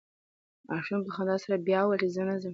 ماشوم په خندا سره بیا وویل چې زه نه ځم.